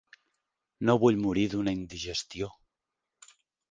No vull morir d'una indigestió.